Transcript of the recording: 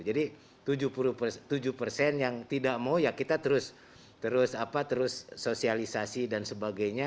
tujuh puluh tujuh persen yang tidak mau ya kita terus sosialisasi dan sebagainya